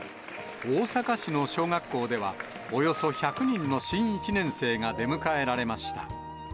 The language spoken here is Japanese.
大阪市の小学校では、およそ１００人の新１年生が出迎えられました。